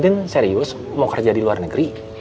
presiden serius mau kerja di luar negeri